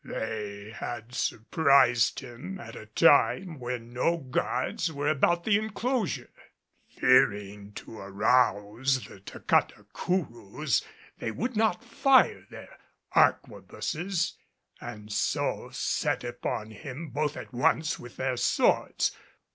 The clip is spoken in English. They had surprised him at a time when no guards were about the enclosure. Fearing to arouse the Tacatacourous they would not fire their arquebuses and so set upon him both at once with their swords.